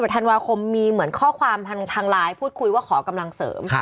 ธันวาคมมีเหมือนข้อความทางไลน์พูดคุยว่าขอกำลังเสริม